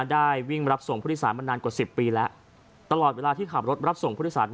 ได้วิ่งมารับส่งพฤษศาลมานานกว่าสิบปีแล้วตลอดเวลาที่ขับรถรับส่งพฤษศาล